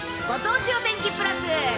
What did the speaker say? ご当地お天気プラス。